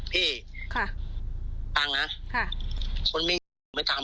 พี่ฟังนะคนไม่ไม่ทำอ่ะ